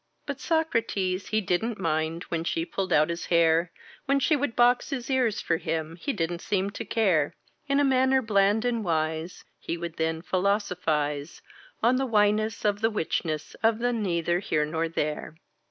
But Socrates he didn't mind when she pulled out his hair, When she would box his ears for him he didn't seem to care In a manner bland and wise He would then philosophize On the Whyness of the Whichness of the Neither Here Nor There.